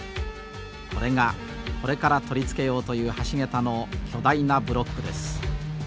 これがこれから取り付けようという橋桁の巨大なブロックです。